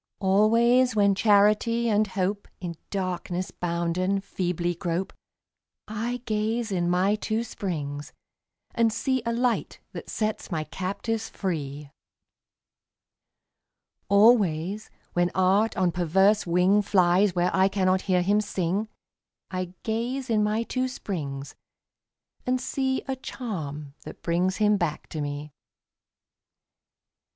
Always when Charity and Hope, In darkness bounden, feebly grope, I gaze in my two springs and see A Light that sets my captives free. Always, when Art on perverse wing Flies where I cannot hear him sing, I gaze in my two springs and see A charm that brings him back to me.